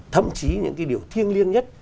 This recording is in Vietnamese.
thậm chí những điều thiêng liêng nhất